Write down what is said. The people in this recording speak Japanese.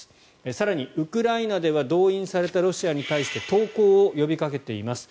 更に、ウクライナでは動員されたロシア兵に対して投降を呼びかけています。